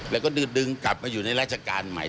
แล้วก็ดึงกลับมาอยู่ในราชการใหม่